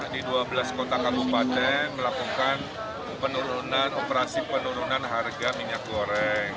di dua belas kota kabupaten melakukan penurunan operasi penurunan harga minyak goreng